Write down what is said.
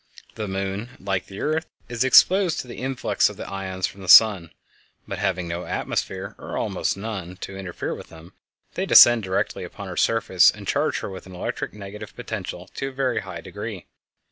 The moon, like the earth, is exposed to the influx of the ions from the sun; but having no atmosphere, or almost none, to interfere with them, they descend directly upon her surface and charge her with an electric negative potential to a very high degree.